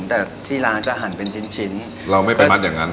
แต่ที่ร้านจะหันเป็นชิ้นชิ้นเราไม่ไปมัดอย่างนั้น